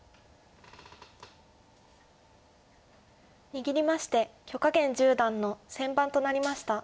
握りまして許家元十段の先番となりました。